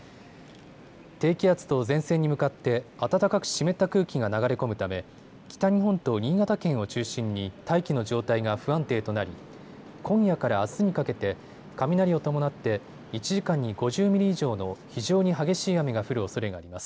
低気圧と前線に向かって暖かく湿った空気が流れ込むため北日本と新潟県を中心に大気の状態が不安定となり今夜からあすにかけて雷を伴って１時間に５０ミリ以上の非常に激しい雨が降るおそれがあります。